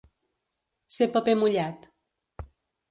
Ser paper mullat.